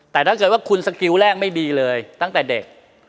แต่ถ้าเกิดว่าคุณสกิลแรกไม่ดีเลยตั้งแต่เด็ก